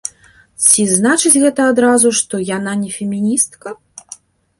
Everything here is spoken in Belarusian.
Ці значыць гэта адразу, што яна не феміністка?